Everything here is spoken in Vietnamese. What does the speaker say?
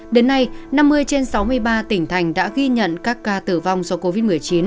đến nay năm mươi trên sáu mươi ba tỉnh thành đã ghi nhận các ca tử vong do covid một mươi chín